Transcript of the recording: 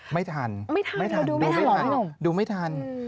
ไม่ทันดูไม่ทัน